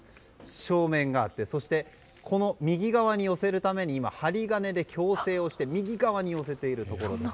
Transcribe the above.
正面があってそして右側に寄せるために今、針金で矯正をして右側に寄せているところです。